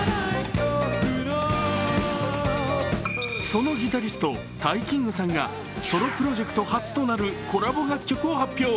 そのギタリスト、ＴＡＩＫＩＮＧさんがソロプロジェクト初となるコラボ楽曲を発表。